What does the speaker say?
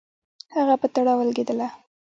هغه په تړه ولګېدله.